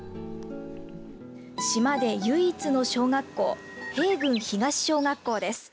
島で唯一の小学校平郡東小学校です。